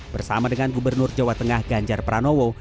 bersama dengan gubernur jawa tengah ganjar pranowo